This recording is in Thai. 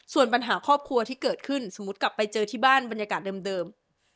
ส่วนปัญหาครอบครัวที่เกิดขึ้นสมมุติกลับไปเจอที่บ้านบรรยากาศเดิม